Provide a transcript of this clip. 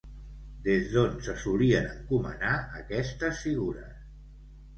Des d'on se solien encomanar aquestes figures?